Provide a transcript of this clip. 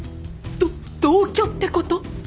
どっ同居ってこと？